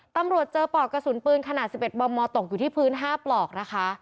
ตำรวจเจอปลอกกระสุนปืนขนาด๑๑มมตกอยู่ที่พื้น๕ปลอกนะคะ